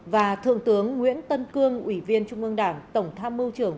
và thượng tướng nguyễn tân cương ủy viên trung ương đảng tổng tham mưu trưởng